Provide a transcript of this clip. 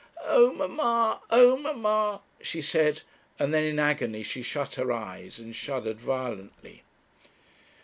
'Oh, mamma! oh, mamma!' she said, and then in agony she shut her eyes and shuddered violently.